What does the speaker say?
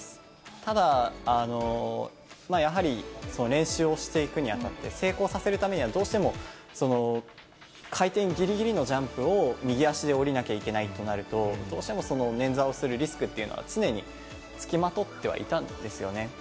ただ、やはり練習をしていくにあたって、成功させるためにはどうしても回転ぎりぎりのジャンプを右足で下りなきゃいけないとなると、どうしても捻挫をするリスクっていうのは、常に付きまとってはいたんですよね。